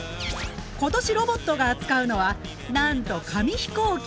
今年ロボットが扱うのはなんと紙飛行機！